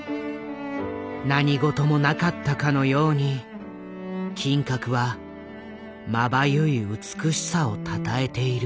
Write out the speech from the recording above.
何事もなかったかのように金閣はまばゆい美しさをたたえている。